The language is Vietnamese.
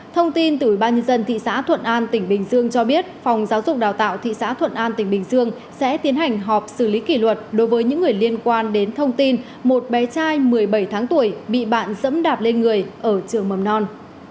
thông tin từ ban nhân dân thị xã thuận an tỉnh bình dương cho biết phòng giáo dục đào tạo thị xã thuận an tỉnh bình dương sẽ tiến hành họp xử lý kỷ luật đối với những người liên quan đến thông tin một bé trai một mươi bảy tháng tuổi bị bạn dẫm đạp lên người ở trường mầm non